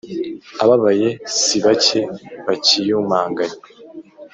abababaye si bake bakiyumanganya